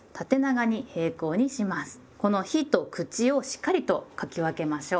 この「日」と「口」をしっかりと書き分けましょう。